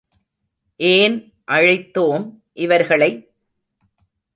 ஏன் அழைத்தோம் இவர்களை?